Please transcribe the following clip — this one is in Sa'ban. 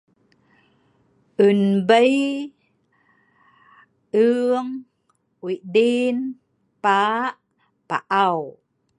Un bei'ung, pa',pau'.